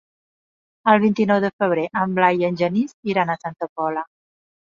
El vint-i-nou de febrer en Blai i en Genís iran a Santa Pola.